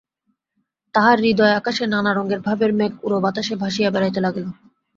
তাহার হৃদয়াকাশে নানারঙের ভাবের মেঘ উড়ো-বাতাসে ভাসিয়া বেড়াইতে লাগিল।